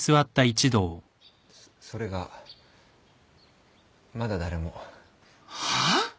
そそれがまだ誰も。はあ！？